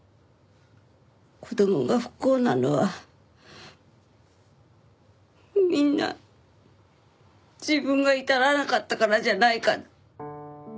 子供が不幸なのはみんな自分が至らなかったからじゃないか。